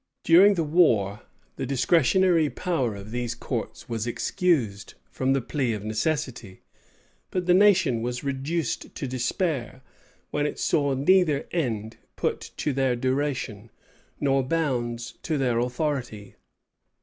During the war, the discretionary power of these courts was excused, from the plea of necessity; but the nation was reduced to despair, when it saw neither end put to their duration, nor bounds to their authority.